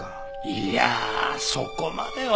いやあそこまでは。